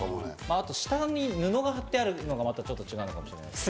あと下に布が張ってあるのが、ちょっとあれかもしれないですね。